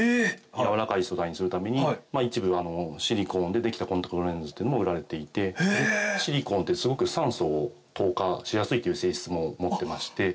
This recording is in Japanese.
やわらかい素材にするために一部シリコーンでできたコンタクトレンズっていうのも売られていてシリコーンってすごく。っていう性質も持ってまして。